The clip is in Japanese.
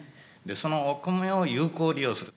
そのお米を有効利用する。